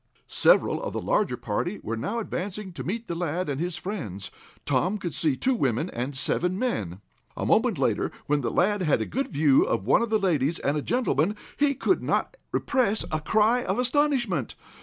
Several of the larger party were now advancing to meet the lad and his friends. Tom could see two women and seven men. A moment later, when the lad had a good view of one of the ladies and a gentleman, he could not repress a cry of astonishment.